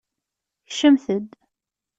Kecmet-d!